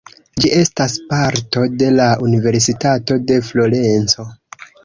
Ĝi estas parto de la Universitato de Florenco.